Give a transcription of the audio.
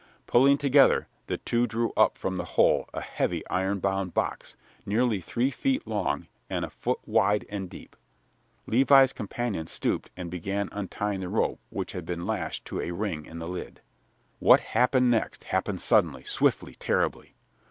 Pulling together, the two drew up from the hole a heavy iron bound box, nearly three feet long and a foot wide and deep. Levi's companion stooped and began untying the rope which had been lashed to a ring in the lid. What next happened happened suddenly, swiftly, terribly.